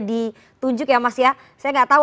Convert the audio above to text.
ditunjuk ya mas ya saya nggak tahu